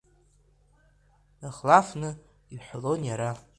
Дахлафны иҳәалон иара.